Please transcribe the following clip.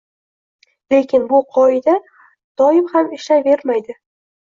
Lekin bu qoida doim ham ishlayvermaydi.